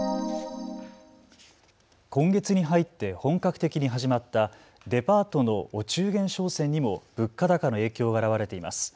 今月に入って本格的に始まったデパートのお中元商戦にも物価高の影響が表れています。